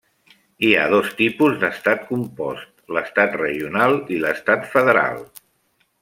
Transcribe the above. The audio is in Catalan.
Hi ha dos tipus d'estat compost: l'estat regional i l'estat federal.